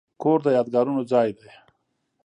کور د یادګارونو ځای دی.